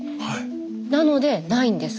なのでないんです